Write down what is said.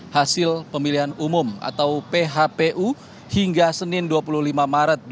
hasil pemilihan umum atau phpu hingga senin dua puluh lima maret dua ribu sembilan